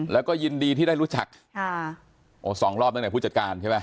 แล้วก็ยินดีที่ได้รู้จักค่ะโอ้สองรอบตั้งแต่ผู้จัดการใช่ไหม